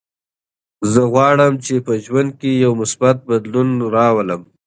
زه غواړم چې په ژوند کې یو مثبت بدلون راولم.